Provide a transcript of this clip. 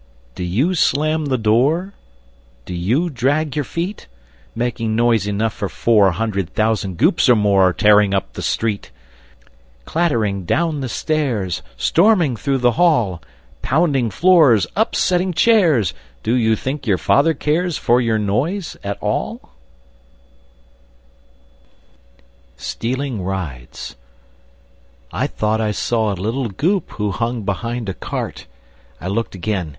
_ Do you slam the door? Do you drag your feet? Making noise enough for four Hundred thousand Goops, or more, Tearing up the street? Clattering down the stairs, Storming through the hall, Pounding floors, upsetting chairs, Do you think your father cares For your noise, at all? [Illustration: Stealing Rides] STEALING RIDES I thought I saw a little Goop Who hung behind a cart; I looked again.